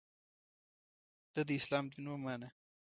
د ه داسلام دین ومانه.